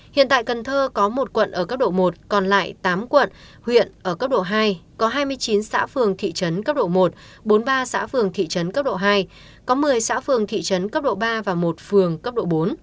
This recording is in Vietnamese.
hiện tại cần thơ có một quận ở cấp độ một còn lại tám quận huyện ở cấp độ hai có hai mươi chín xã phường thị trấn cấp độ một bốn mươi ba xã phường thị trấn cấp độ hai có một mươi xã phường thị trấn cấp độ ba và một phường cấp độ bốn